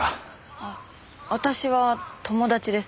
あっ私は友達です。